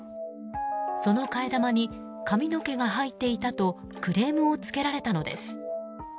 その替え玉に髪の毛が入っていたとクレームがつけられたのです。